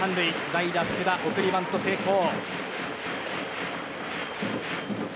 代打、福田、送りバント成功。